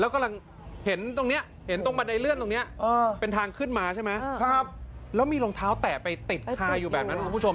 ก็มีรองเท้าแตะไปติดไฮอยู่แบบนั้นคุณผู้ชม